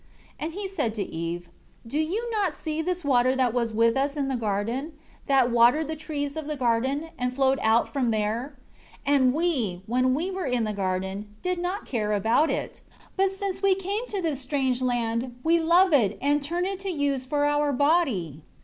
7 And he said to Eve, "Do you not see this water that was with us in the garden, that watered the trees of the garden, and flowed out from there? 8 And we, when we were in the garden, did not care about it; but since we came to this strange land, we love it, and turn it to use for our body."